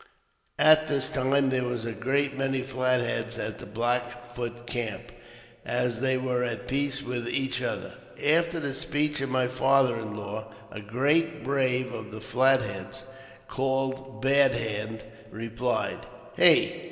At this time there were a great many Flat Heads at the Black Foot camp, as they were at peace with each other. After the speech of my father in law, a great brave of the Flat Heads, called Bad Hand, replied, "Hey!